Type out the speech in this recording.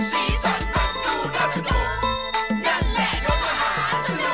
สีสันมันดูน่าสนุกนั่นแหละรถมหาสนุก